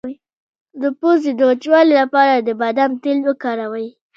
د پوزې د وچوالي لپاره د بادام تېل وکاروئ